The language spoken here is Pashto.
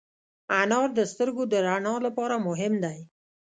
انار د سترګو د رڼا لپاره مهم دی.